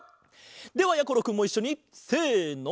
ではやころくんもいっしょにせの！